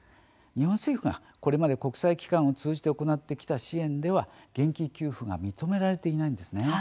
日本政府が、これまで国際機関を通じて行ってきた支援では現金給付が認められていないんです。